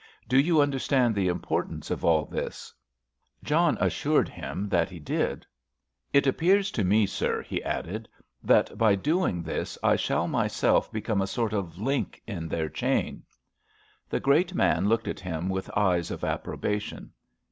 Do you understand the importance of all this?" John assured him that he did. "It appears to me, sir," he added, "that by doing this I shall myself become a sort of link in their chain." The great man looked at him with eyes of approbation.